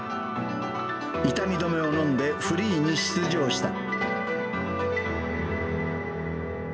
痛み止めを飲んでフリーに出場した。